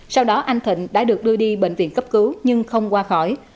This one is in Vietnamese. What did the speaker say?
sau đó anh thịnh đã được đưa đi bệnh viện cấp cứu nhưng không qua khỏi